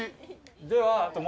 では。